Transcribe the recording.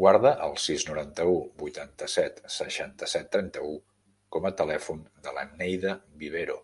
Guarda el sis, noranta-u, vuitanta-set, seixanta-set, trenta-u com a telèfon de la Neida Vivero.